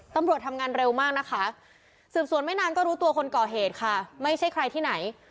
ตำรวจทำงานเร็วมากนะคะสืบสวนไม่นานก็รู้ตัวคนก่อเหตุค่ะไม่ใช่ใครที่ไหน